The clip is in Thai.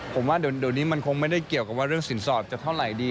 ผมว่าเดี๋ยวนี้มันคงไม่ได้เกี่ยวกับว่าเรื่องสินสอดจะเท่าไหร่ดี